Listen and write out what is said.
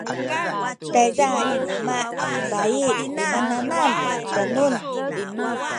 tayza i luma’ ni bai minanam mitenun